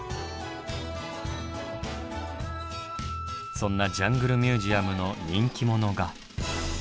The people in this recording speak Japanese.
そんなジャングルミュージアムの人気者が。